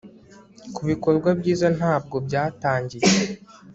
kubikorwa byiza ntabwo byatangiye